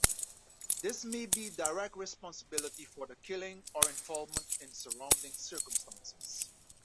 This may be direct responsibility for the killing or involvement in surrounding circumstances.